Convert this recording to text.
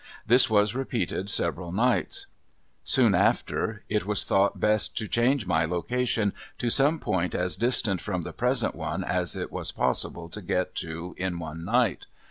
This was repeated several nights. Soon after it was thought best to change my location to some point as distant from the present one as it was possible to get to in one night.